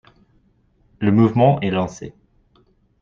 Le mouvement est lancé.